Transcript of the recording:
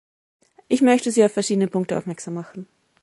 Ich möchte Sie auf verschiedene Punkte aufmerksam machen.